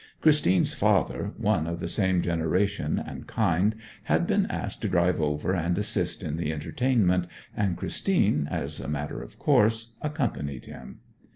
Christine's father, one of the same generation and kind, had been asked to drive over and assist in the entertainment, and Christine, as a matter of course, accompanied him.